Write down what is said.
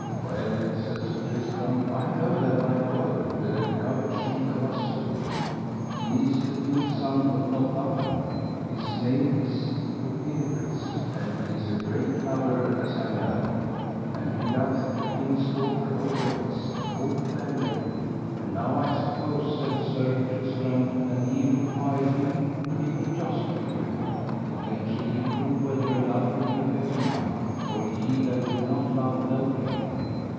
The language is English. Well, said Sir Tristram, I know that knight well with the covered shield of azure, he is the king's son of Northumberland, his name is Epinegris; and he is as great a lover as I know, and he loveth the king's daughter of Wales, a full fair lady. And now I suppose, said Sir Tristram, an ye require him he will joust with you, and then shall ye prove whether a lover be a better knight, or ye that will not love no lady.